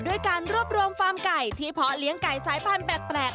ด้วยการรวบรวมฟาร์มไก่ที่เพาะเลี้ยงไก่สายพันธุ์แปลก